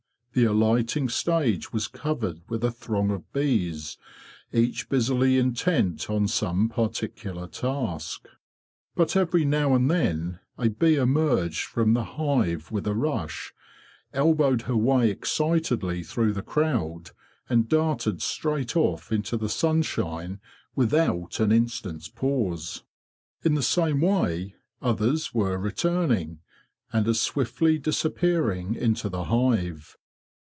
The alighting stage was covered with a throng of bees, each busily intent on some particular task. But every now and then a bee emerged from the hive with a rush, elbowed her way excitedly through the crowd, and darted straight off into the sunshine without an instant's pause. In the same way others were re turning, and as swiftly disappearing into the hive.